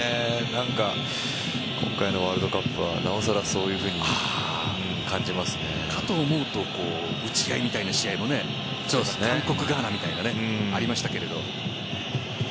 今回のワールドカップはなおさらそういうふうにかと思うと打ち合いみたいな試合も韓国、ガーナみたいなのありましたけど。